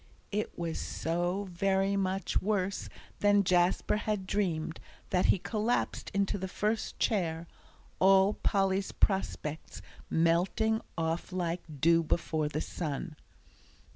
It was so very much worse than Jasper had dreamed, that he collapsed into the first chair, all Polly's prospects melting off like dew before the sun.